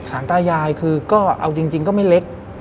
สารตายายคือก็เอาจริงก็ไม่เล็ก